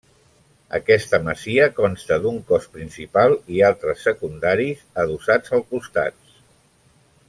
Aquesta masia consta d'un cos principal i altres secundaris adossats als costats.